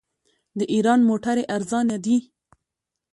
د ایران موټرې ارزانه دي.